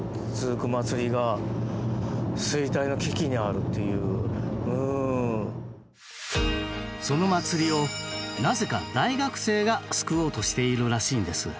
ずっと長く続いてその祭りをなぜか大学生が救おうとしているらしいんです。